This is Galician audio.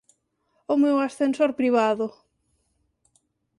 O meu ascensor privado...